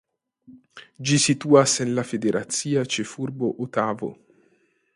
Ĝi situas en la federacia ĉefurbo Otavo.